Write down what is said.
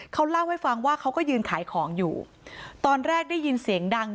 เขาเล่าให้ฟังว่าเขาก็ยืนขายของอยู่ตอนแรกได้ยินเสียงดัง